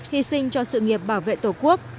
hy sinh cho sự nghiệp bảo vệ tổ quốc